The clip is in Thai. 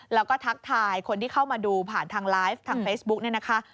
แล้วก็ทักทายคนที่เข้ามาดูผ่านทางไลฟ์ทางเฟซบุ๊กเนี่ยนะคะ